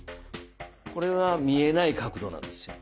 これは見えない角度なんですよ。